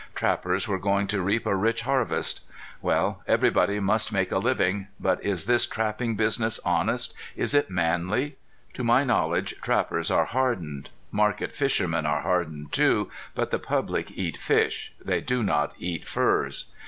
Trappers were going to reap a rich harvest. Well, everybody must make a living; but is this trapping business honest, is it manly? To my knowledge trappers are hardened. Market fishermen are hardened, too, but the public eat fish. They do not eat furs.